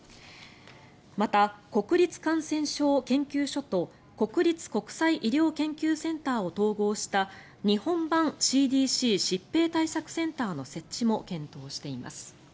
また、国立感染症研究所と国立国際医療研究センターを統合した日本版ＣＤＣ・疾病対策センターの設置も検討しています。